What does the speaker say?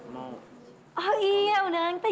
mau oh iya undangan kita